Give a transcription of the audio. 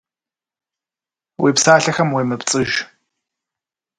Уи псалъэхэм уемыпцӏыж.